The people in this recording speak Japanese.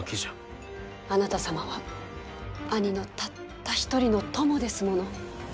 あなた様は兄のたった一人の友ですもの。